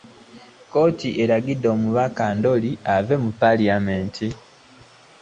Kkooti eragidde omubaka Ndooli ave mu Paalamenti.